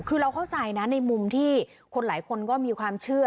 คือเราเข้าใจนะในมุมที่คนหลายคนก็มีความเชื่อ